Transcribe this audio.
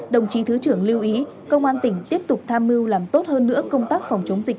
đồng chí thứ trưởng lưu ý công an tỉnh tiếp tục tham mưu làm tốt hơn nữa công tác phòng chống dịch